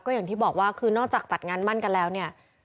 อย่างที่บอกว่าคือนอกจากจัดงานมั่นกันแล้วเนี่ย